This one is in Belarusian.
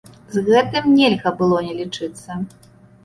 З гэтым нельга было не лічыцца.